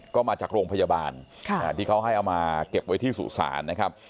ก็มาจากโรงพยาบาลที่เขาให้เอามาเก็บไว้ที่สุสานนะครับ